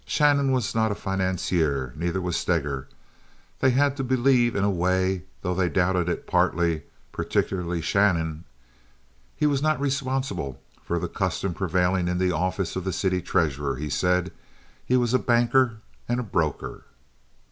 Shannon was not a financier, neither was Steger. They had to believe in a way, though they doubted it, partly—particularly Shannon.) He was not responsible for the custom prevailing in the office of the city treasurer, he said. He was a banker and broker.